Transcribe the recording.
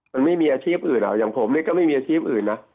มันไม่มีอาชีพอื่นอย่างผมเนี่ยก็ไม่มีอาชีพอื่นนะ